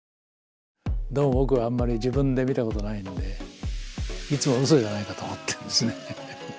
どうも僕はあんまり自分で見たことないんでいつもうそじゃないかと思ってるんですね。